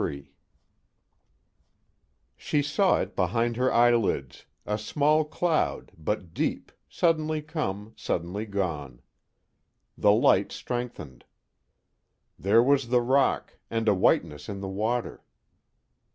III She saw it behind her eyelids, a small cloud but deep, suddenly come, suddenly gone. The light strengthened; there was the rock, and a whiteness in the water.